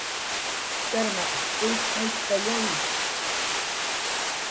Karmaq k'uwitx jayptayawi